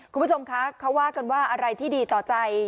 คุณผู้ชมคะเขาว่ากันว่าอะไรที่ดีต่อใจ